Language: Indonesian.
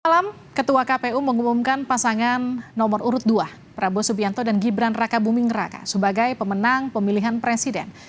malam ketua kpu mengumumkan pasangan nomor urut dua prabowo subianto dan gibran raka buming raka sebagai pemenang pemilihan presiden